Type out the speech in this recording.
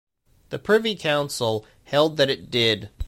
The Privy Council held that it did.